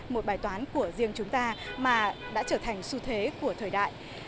một bài toán của riêng chúng ta mà đã trở thành xu thế của thời đại